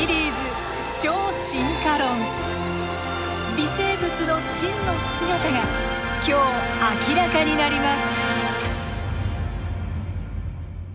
微生物の真の姿が今日明らかになります。